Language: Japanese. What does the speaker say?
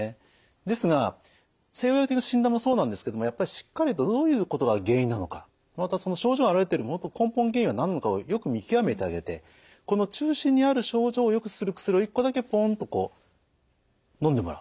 ですが西洋医学的な診断もそうなんですけどもやっぱりしっかりとどういうことが原因なのかまたその症状が現れているもと根本原因は何なのかをよく見極めてあげてこの中心にある症状をよくする薬を一個だけぽんっとこうのんでもらう。